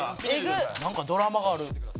なんかドラマがある。